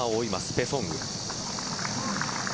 ペ・ソンウ。